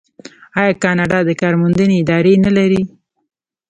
آیا کاناډا د کار موندنې ادارې نلري؟